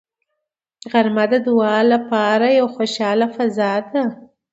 غرمه د دعا لپاره یوه خوشاله فضا ده